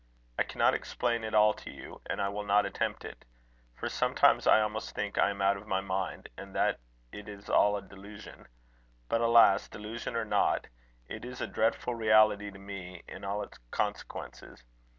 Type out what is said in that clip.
I cannot explain it all to you, and I will not attempt it; for sometimes I almost think I am out of my mind, and that it is all a delusion. But, alas! delusion or not, it is a dreadful reality to me in all its consequences.